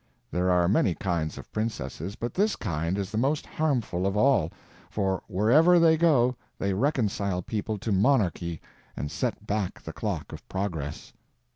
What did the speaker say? There are many kinds of princesses, but this kind is the most harmful of all, for wherever they go they reconcile people to monarchy and set back the clock of progress.